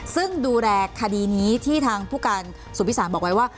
ซึ่งดูแลคดีนี้ที่ทางผู้การสุพิสารบอกไว้ว่า